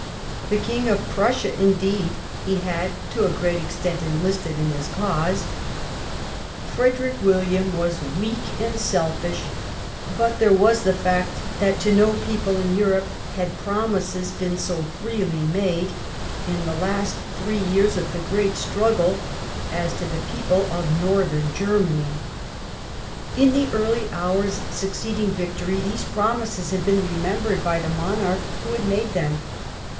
The King of Prussia, indeed, he had to a great extent enlisted in his cause. Frederick AV'illiam was weak and selfish, but there was the fact that to no peoj>le in Europe had promises been so freely made, in the last three years of the great struggle, as to the people of Northern GOVERNMENT BY BEPRESSION. 149 Germany. In the early hours succeeding victory these promises had been remembered by the monarch who had made them.